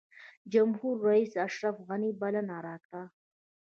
جمهورریس اشرف غني بلنه راکړه.